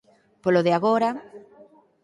Polo de agora...